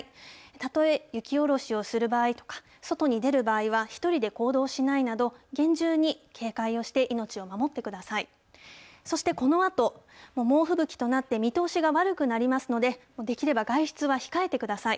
たとえ雪下ろしをする場合とか、外に出る場合は１人で行動しないなど、厳重に警戒をして、命を守ってください。